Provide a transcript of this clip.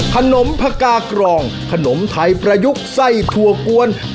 ผักกากรองขนมไทยประยุกต์ไส้ถั่วกวน